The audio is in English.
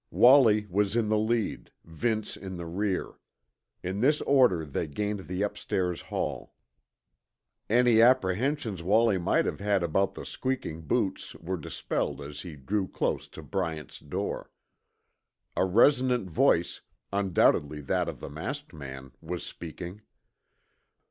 Wallie was in the lead, Vince in the rear. In this order they gained the upstairs hall. Any apprehensions Wallie might have had about the squeaking boots were dispelled as he drew close to Bryant's door. A resonant voice, undoubtedly that of the masked man, was speaking.